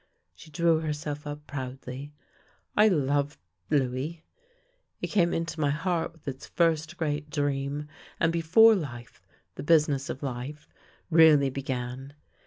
She drew herself up proudly. " I loved — Louis. He came into my heart with its first great dream, and before life — the business of life — really be gan.